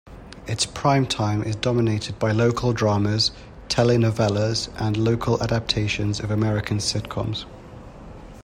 Its primetime is dominated by local dramas, telenovelas and local adaptations of American sitcoms.